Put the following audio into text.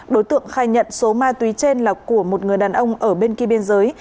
đối tượng khai nhận số ma túy trên là của một người đàn ông ở bên kia biên giới